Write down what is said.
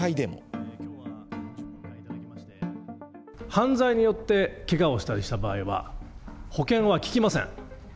犯罪によってけがをしたりした場合は、保険は利きません。